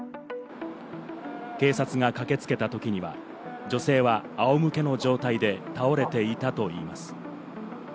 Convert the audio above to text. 警察が駆けつけた時には女性はあおむけの状態で倒れていたといいます。